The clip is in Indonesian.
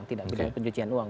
tidak pindahin pencucian uang